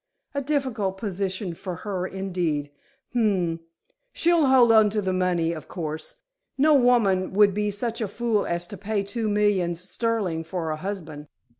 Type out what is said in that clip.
A difficult position for her, indeed. H'm! she'll hold on to the money, of course; no woman would be such a fool as to pay two millions sterling for a husband."